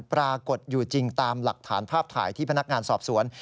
ปรากฏอยู่จริงตามหลักฐานภาพถ่ายที่พนักงานสอบสวน